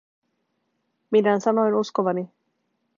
Minä sanoin uskovani.